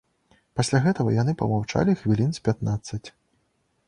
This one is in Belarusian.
Пасля гэтага яны памаўчалі хвілін з пятнаццаць.